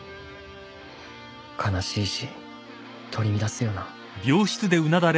悲しいし取り乱すよな